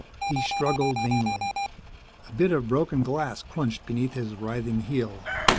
He struggled vainly. A bit of broken glass crunched beneath his writhing heel.